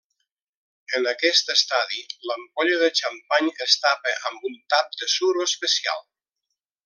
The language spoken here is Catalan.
En aquest estadi, l'ampolla de xampany es tapa amb un tap de suro especial.